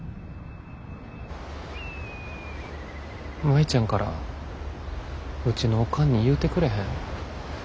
舞ちゃんからうちのおかんに言うてくれへん？